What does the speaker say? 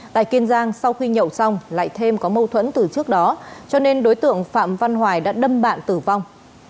tại kiên giang sau khi nhậu xong lại thêm có mâu thuẫn từ trước đó cho nên đối tượng phạm văn hoài đã đâm bạn tử vong